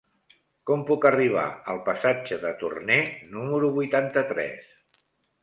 Com puc arribar al passatge de Torné número vuitanta-tres?